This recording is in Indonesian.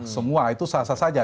semua itu sah sah saja